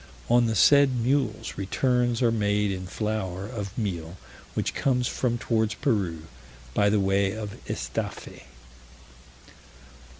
On the said mules returns are made in flour of meal, which comes from towards Peru, by the way of Estaffe.